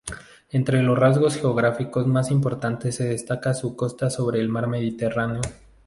Entre los rasgos geográficos más importantes se destaca su costa sobre el mar Mediterráneo.